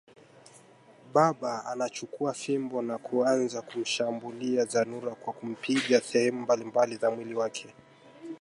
baba anachukua fimbo na kuanza kumshambulia Zanura kwa kumpiga sehemu mbalimbali za mwili wake